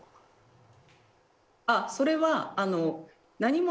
あっそれは。